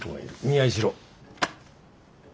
見合いしろ。